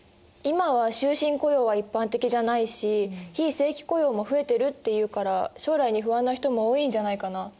今は終身雇用は一般的じゃないし非正規雇用も増えてるっていうから将来に不安な人も多いんじゃないかな？